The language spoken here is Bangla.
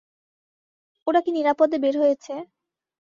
ওরা কি নিরাপদে বের হয়েছে?